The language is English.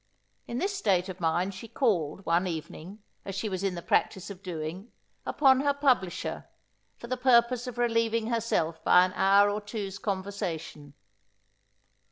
In this state of mind, she called, one evening, as she was in the practice of doing, upon her publisher, for the purpose of relieving herself by an hour or two's conversation.